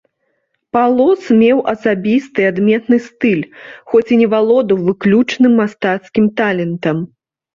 Палос меў асабісты адметны стыль, хоць і не валодаў выключным мастацкім талентам.